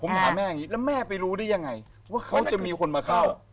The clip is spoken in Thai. ผมหาแม่อย่างนี้แล้วแม่ไปรู้ได้ยังไงว่าเขาจะมีคนมาเข้า